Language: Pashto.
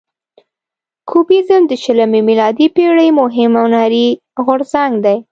کوبیزم د شلمې میلادي پیړۍ مهم هنري غورځنګ دی.